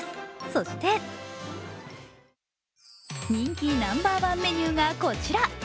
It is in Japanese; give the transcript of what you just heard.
そして人気ナンバーワンメニューがこちら。